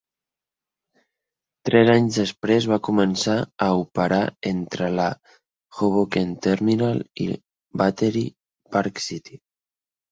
Tres anys després, va començar a operar entre la Hoboken Terminal i Battery Park City.